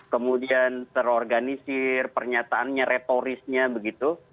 kemudian terorganisir pernyataannya retorisnya begitu